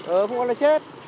ờ không có là chết